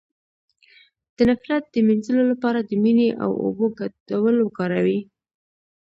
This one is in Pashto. د نفرت د مینځلو لپاره د مینې او اوبو ګډول وکاروئ